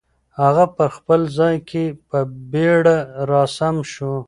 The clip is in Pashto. هغه په خپل ځای کې په بیړه را سم شو.